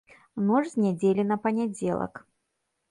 Ноч з нядзелі на панядзелак.